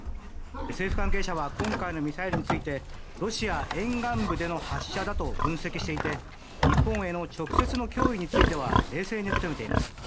政府関係者は今回のミサイルについてロシア沿岸部での発射だと分析していて日本への直接の脅威については冷静に受け止めています。